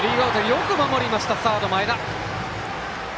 よく守りました、サードの前田！